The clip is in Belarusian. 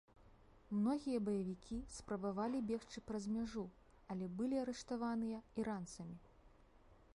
Многія баевікі спрабавалі бегчы праз мяжу, але былі арыштаваныя іранцамі.